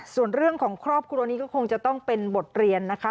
ส่วนเรื่องของครอบครัวนี้ก็คงจะต้องเป็นบทเรียนนะคะ